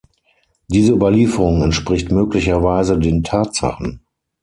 Diese Überlieferung entspricht möglicherweise den Tatsachen.